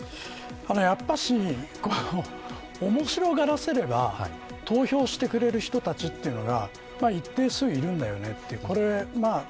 やっぱり、面白がらせれば投票してくれる人たちが一定数いるんだよねということですね。